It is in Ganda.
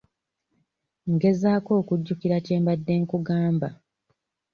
Ngezaako okujjukira kye mbadde nkugamba.